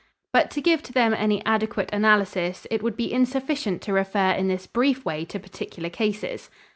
But to give to them any adequate analysis, it would be insufficient to refer in this brief way to particular cases.